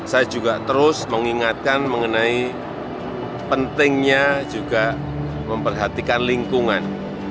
saya juga terus mengingatkan mengenai pentingnya juga memperhatikan lingkungan